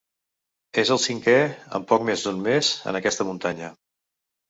És el cinquè en poc més d'un mes en aquesta muntanya.